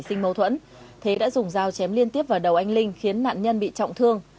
sinh mâu thuẫn thế đã dùng dao chém liên tiếp vào đầu anh linh khiến nạn nhân bị trọng thương